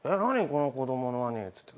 この子供のワニ」っつって。